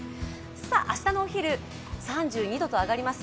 明日のお昼、３２度と上がります。